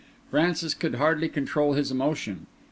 Francis could hardly control his emotion.